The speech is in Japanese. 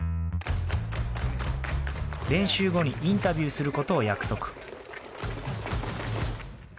練習後にインタビューすることを約束。